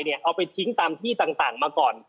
เอาไปทิ้งตามที่ต่างมาก่อน